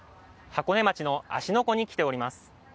箱根町の芦ノ湖に来ています。